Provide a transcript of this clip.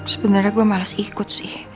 sebenarnya gue males ikut sih